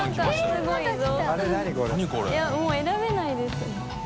五百城）もう選べないです。